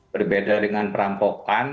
berbeda dengan perampokan